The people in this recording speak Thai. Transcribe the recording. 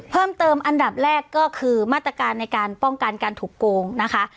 เพิ่มเติมอันดับแรกก็คือมาตรการในการป้องกันการถูกโกงนะคะ